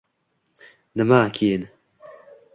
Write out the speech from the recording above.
– Nima “keyin”?